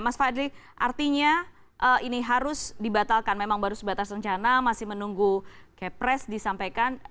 mas fadli artinya ini harus dibatalkan memang baru sebatas rencana masih menunggu kepres disampaikan